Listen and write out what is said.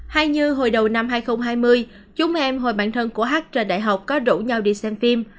hay như hồi đầu năm hai nghìn hai mươi chúng em hồi bản thân của h trần đại học có rủ nhau đi xem phim